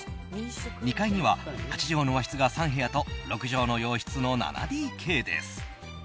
２階には８畳の和室が３部屋と６畳の洋室の７ＤＫです。